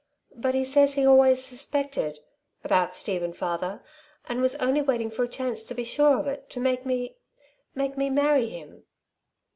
But he says he always suspected ... about Steve and father, and was only waiting for a chance to be sure of it to make me ... make me marry him."